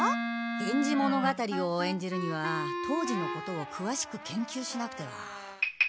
「源氏物語」をえんじるには当時のことをくわしく研究しなくては。